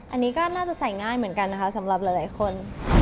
อันนี้ก็น่าจะใส่ง่ายเหมือนกันนะคะสำหรับหลายคน